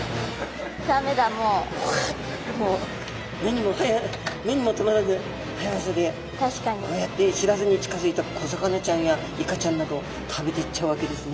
もう目にも留まらぬ早業でこうやって知らずに近づいた小魚ちゃんやイカちゃんなどを食べてっちゃうわけですね。